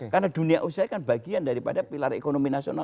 karena dunia usia kan bagian daripada pilar ekonomi nasional